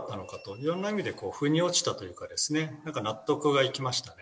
いろんな意味でふに落ちたというかですね、なんか納得がいきましたね。